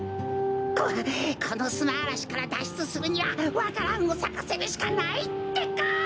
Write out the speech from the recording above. ここのすなあらしからだっしゅつするにはわか蘭をさかせるしかないってか。